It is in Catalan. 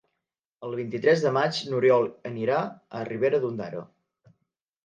El vint-i-tres de maig n'Oriol anirà a Ribera d'Ondara.